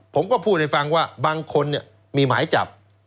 ผมก็พูดให้ฟังว่าบางคนมีหมายจับ